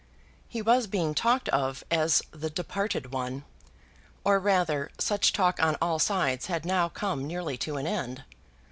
He was being talked of as the departed one; or rather, such talk on all sides had now come nearly to an end.